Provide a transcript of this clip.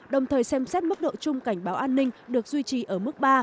đồng thời xem xét mức độ chung cảnh báo an ninh được duy trì ở mức ba